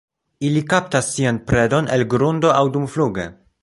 Ili kaptas sian predon el grundo aŭ dumfluge.